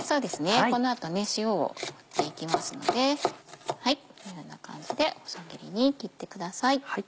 この後塩を振っていきますのでこんな感じで細切りに切ってください。